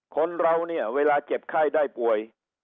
คนเราเนี่ยเวลาเจ็บไข้ได้ป่วย